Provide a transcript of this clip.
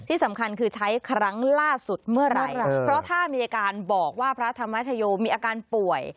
สำคัญคือใช้ครั้งล่าสุดเมื่อไหร่เพราะถ้ามีอาการบอกว่าพระธรรมชโยมีอาการป่วย